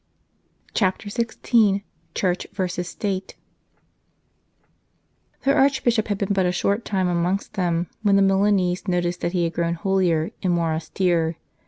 IO2 CHAPTER XVI CHURCH VERSUS STATE THEIR Archbishop had been but a short time amongst them, when the Milanese noticed that he had grown holier and more austere.